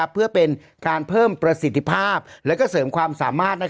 เพื่อเป็นการเพิ่มประสิทธิภาพและเสริมความสามารถ